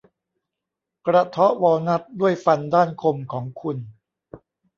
กระเทาะวอลนัทด้วยฟันด้านคมของคุณ